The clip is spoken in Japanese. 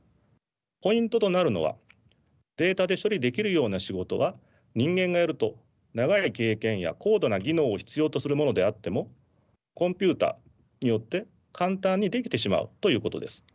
ポイントとなるのはデータで処理できるような仕事は人間がやると長い経験や高度な技能を必要とするものであってもコンピューターによって簡単にできてしまうということです。